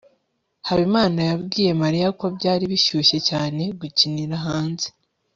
habimana yabwiye mariya ko byari bishyushye cyane gukinira hanze